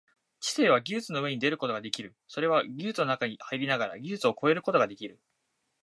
知性は技術の上に出ることができる、それは技術の中に入りながら技術を超えることができる。